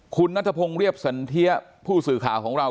คุณนัทพงศ์เรียบสันเทียผู้สื่อข่าวของเรา